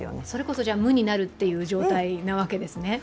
それこそ無になるという状態なわけですね。